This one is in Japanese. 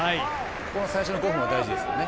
最初の５分が大事ですね。